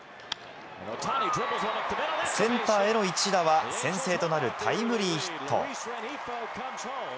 センターへの一打は先制となるタイムリーヒット。